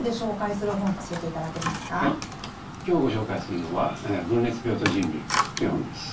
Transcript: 今日ご紹介するのは「分裂病と人類」という本です。